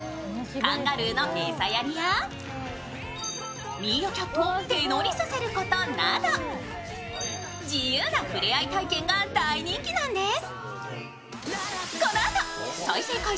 多くの動物が放し飼いされておりカンガルーの餌やりやミーアキャットを手乗りさせることなど、自由なふれあい体験が大人気なんです。